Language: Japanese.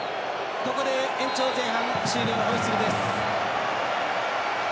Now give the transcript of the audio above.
ここで延長前半終了のホイッスルです。